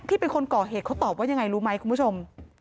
เป็นคนก่อเหตุเขาตอบว่ายังไงรู้ไหมคุณผู้ชม